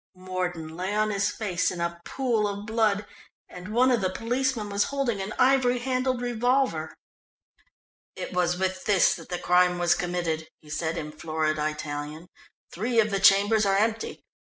Mordon lay on his face in a pool of blood, and one of the policemen was holding an ivory handled revolver. "It was with this that the crime was committed," he said in florid Italian. "Three of the chambers are empty.